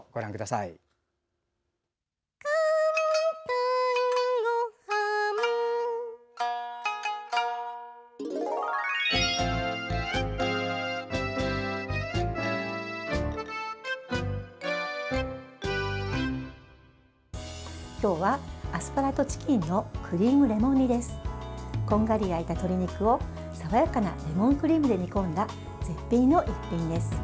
こんがり焼いた鶏肉を爽やかなレモンクリームで煮込んだ絶品の一品です。